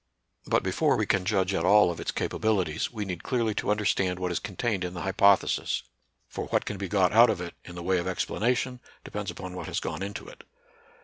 But before we can judge at all of its capabilities, we need clearly to understand what is contained in the hypothe sis ; for what can be got out of it, in the way of explanation, depends upon what has gone into it.